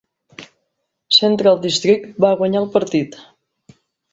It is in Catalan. Central District va guanyar el partit.